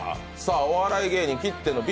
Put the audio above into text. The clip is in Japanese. お笑い芸人切ってのＢ